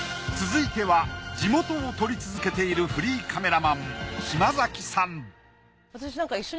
続いては地元を撮り続けているフリーカメラマンえっマジっすか？